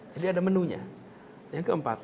jadi ada menunya yang keempat